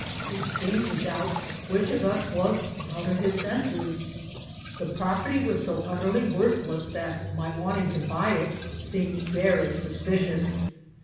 He seemed to doubt which of us was out of his senses. The property was so utterly worthless that my wanting to buy it seemed very suspicious.